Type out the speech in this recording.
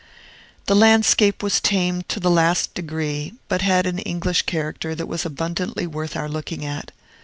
The landscape was tame to the last degree, but had an English character that was abundantly worth our looking at.